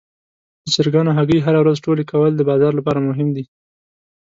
د چرګانو هګۍ هره ورځ ټولې کول د بازار لپاره مهم دي.